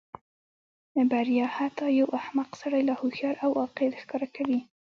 بریا حتی یو احمق سړی لا هوښیار او عاقل ښکاره کوي.